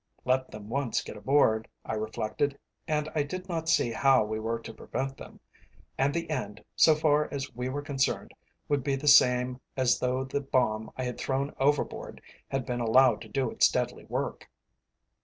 Let them once get aboard, I reflected (and I did not see how we were to prevent them), and the end, so far as we were concerned, would be the same as though the bomb I had thrown overboard had been allowed to do its deadly work.